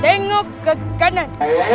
tengok ke kanan